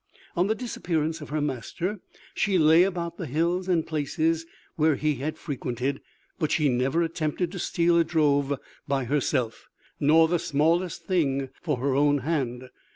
On the disappearance of her master she lay about the hills and places where he had frequented, but she never attempted to steal a drove by herself, nor the smallest thing for her own hand.